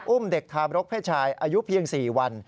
อุ้มเด็กทารกเพชรายอายุเพียง๔วัน